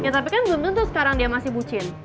tapi kan belum tentu sekarang dia masih bucin